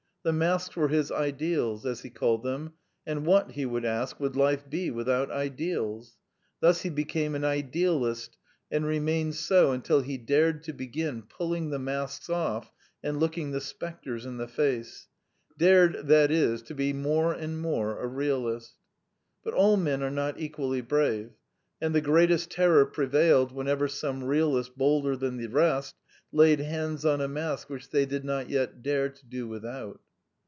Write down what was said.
The masks were his ideals, as he called them ; and what, he would ask, would life be without ideals ? Thus he became an ideal ist, and remained so until he dared to begin pull ing the masks oS and looking the spectres in the face — dared, that is, to be more and more a realist. But all men are not equally brave; and the greatest terror prevailed whenever some real ist bolder than the rest laid hands on a mask which they did not yet dare to do without.